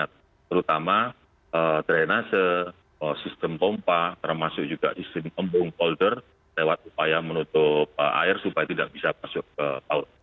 terutama drainase sistem pompa termasuk juga sistem embung polder lewat upaya menutup air supaya tidak bisa masuk ke laut